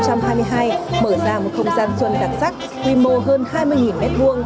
mở ra một không gian xuân đặc sắc quy mô hơn hai mươi m hai